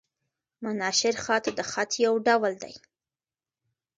مناشیر خط؛ د خط یو ډول دﺉ.